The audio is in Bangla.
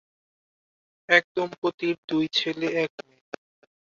এ দম্পতির দুই ছেলে এক মেয়ে।